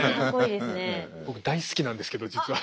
僕大好きなんですけど実は。